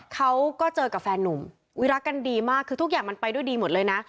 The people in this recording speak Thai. เขาก็เจอกับแฟนนุ่มรักกันดีมากคือทุกอย่างมันไปด้วยดีหมดเลยนะ